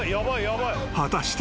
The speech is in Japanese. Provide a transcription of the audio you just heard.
果たして］